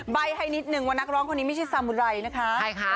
ใบ้ให้นิดนึงว่านักร้องคนนี้ไม่ใช่ซามุไรนะคะใช่ค่ะ